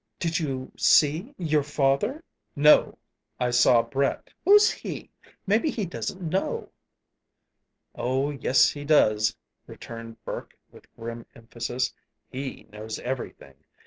"Did you see your father?" "No; I saw Brett." "Who's he? Maybe he doesn't know." "Oh, yes, he does," returned Burke, with grim emphasis. "He knows everything.